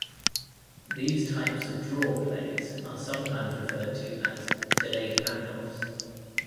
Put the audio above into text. These types of draw plays are sometimes referred to as "delayed handoffs".